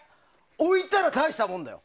置いたらたいしたもんだよ！